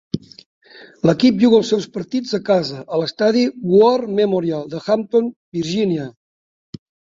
L'equip juga els seus partits a casa a l'estadi War Memorial de Hampton, Virginia.